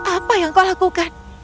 apa yang kau lakukan